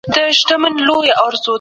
تخیل تر واقعیت ښکلی دئ.